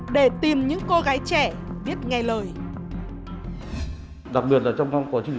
để tìm những cô gái trẻ biết nghe lời